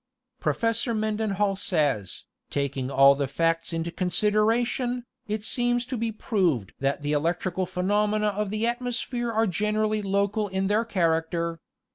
Professor Mendenhall says, "Taking all the facts into consideration, it seems to be proved that the electrical phenomena of the atmosphere are generally local in their character.